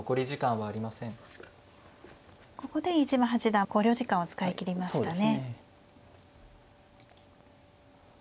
ここで飯島八段考慮時間を使い切りましたね。